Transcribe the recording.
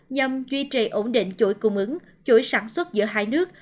nhằm duy trì ổn định chuỗi cung ứng chuỗi sản xuất giữa hai nước